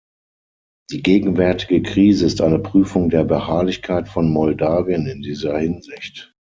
Die gegenwärtige Krise ist eine Prüfung der Beharrlichkeit von Moldawien in dieser Hinsicht.